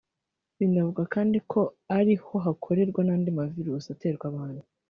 Binavugwa kandi ko ari ho hakorerwa n’andi mavirusi aterwa abantu